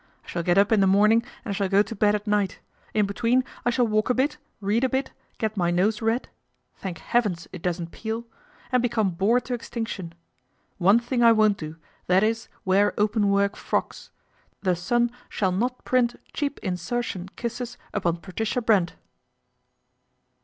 I shall get up in the morning and I shall go to bed at night. In between I shall walk a bit, read a bit, get my nose red (thank heavens it doesn't peel) and become bored to extinction. One thing I won't do, that is wear openwork frocks. The sun shall not print cheap insertion kisses upon Patricia Brent."